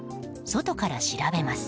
外から調べます。